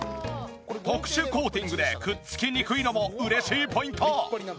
特殊コーティングでくっつきにくいのも嬉しいポイント！